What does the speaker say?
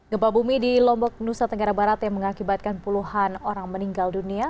gempa bumi di lombok nusa tenggara barat yang mengakibatkan puluhan orang meninggal dunia